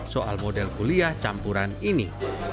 soal model kuliah campuran ini